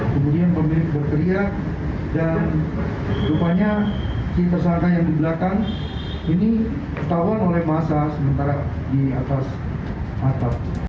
kemudian pemilik berteriak dan rupanya si tersangka yang di belakang ini ketahuan oleh masa sementara di atas atap